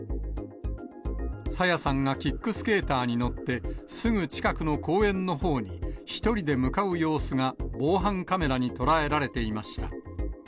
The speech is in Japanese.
朝芽さんがキックスケーターに乗って、すぐ近くの公園のほうに１人で向かう様子が防犯カメラに捉えられていました。